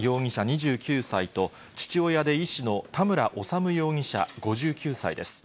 ２９歳と、父親で医師の田村修容疑者５９歳です。